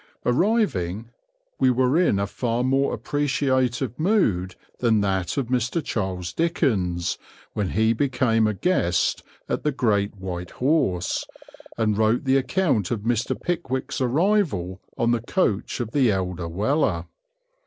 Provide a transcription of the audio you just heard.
Arriving, we were in a far more appreciative mood than that of Mr. Charles Dickens when he became a guest at the "Great White Horse," and wrote the account of Mr. Pickwick's arrival on the coach of the elder Weller.